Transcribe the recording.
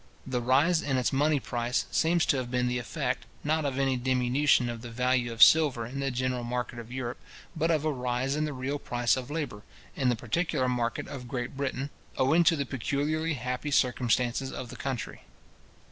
The rise in its money price seems to have been the effect, not of any diminution of the value of silver in the general market of Europe, but of a rise in the real price of labour, in the particular market of Great Britain, owing to the peculiarly happy circumstances of the country.